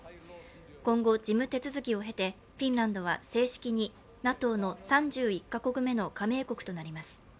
今後、事務手続きを経てフィンランドは正式にＮＡＴＯの３１か国目の加盟国となります。